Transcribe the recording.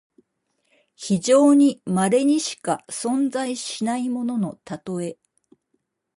非常にまれにしか存在しないもののたとえ。